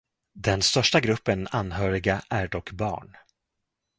Den största gruppen anhöriga är dock barn.